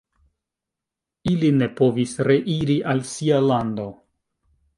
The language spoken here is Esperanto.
Ili ne povis reiri al sia lando.